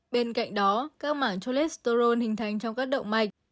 bên cạnh đó các mảng cholesterol hình thành trong các động mạch